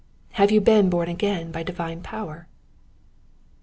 Have you been born again by divine power?